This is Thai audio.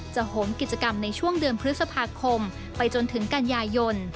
โหมกิจกรรมในช่วงเดือนพฤษภาคมไปจนถึงกันยายน